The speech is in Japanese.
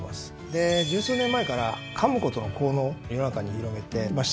で十数年前からかむことの効能を世の中に広めてきました。